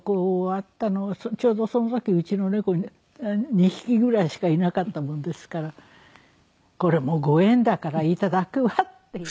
ちょうどその時うちの猫２匹ぐらいしかいなかったもんですから「これもご縁だからいただくわ」って言って。